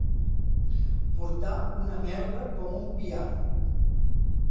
Portar una merda com un piano.